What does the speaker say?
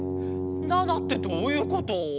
７ってどういうこと？